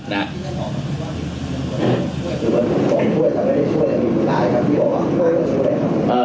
นะฮะ